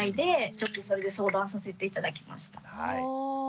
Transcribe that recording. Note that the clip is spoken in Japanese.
ちょっとそれで相談させて頂きました。